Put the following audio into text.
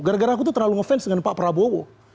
gara gara aku tuh terlalu ngefans dengan pak prabowo